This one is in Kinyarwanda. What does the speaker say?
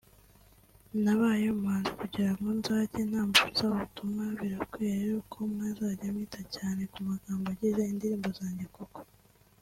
“Nabaye umuhanzi kugirango nzajye ntambutsa ubutumwa birakwiye rero ko mwazajya mwita cyane ku magambo agize indirimbo zanjye kuko